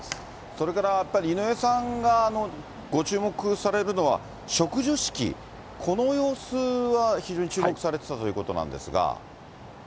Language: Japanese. それからやっぱり、井上さんがご注目されるのは、植樹式、この様子は非常に注目されてたということなんですが。